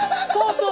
そう。